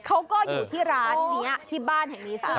เขาก็อยู่ที่ร้านนี้ที่บ้านแห่งนี้ซะ